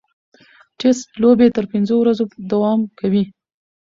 ټېسټ لوبې تر پنځو ورځو دوام کوي.